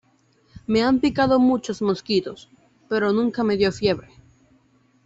me han picado muchos mosquitos, pero nunca me dio fiebre.